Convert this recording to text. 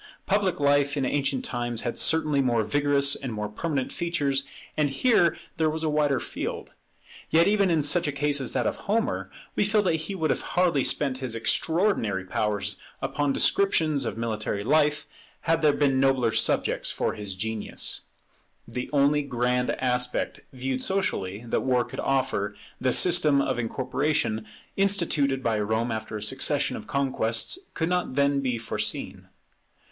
Public life in ancient times had certainly more vigorous and more permanent features, and here there was a wider field. Yet even in such a case as that of Homer, we feel that he would hardly have spent his extraordinary powers upon descriptions of military life, had there been nobler subjects for his genius. The only grand aspect, viewed socially, that war could offer, the system of incorporation instituted by Rome after a succession of conquests, could not then be foreseen.